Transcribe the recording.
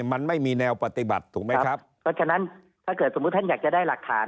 มันไม่มีแนวปฏิบัติถูกไหมครับเพราะฉะนั้นถ้าเกิดสมมุติท่านอยากจะได้หลักฐาน